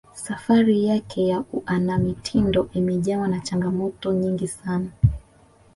safari yake ya uanamitindo imejawa na changamoto nyingi sana